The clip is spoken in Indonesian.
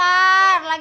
ya udah aku tunggu